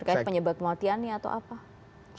terkait penyebab kematiannya atau apa